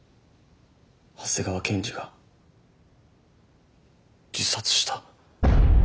長谷川検事が自殺した。